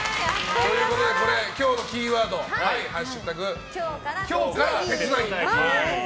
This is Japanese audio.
今日のキーワードは「＃今日から手繋ぎ」。